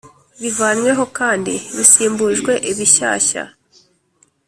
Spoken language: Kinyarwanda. bivanyweho kandi bisimbujwe ibishyashya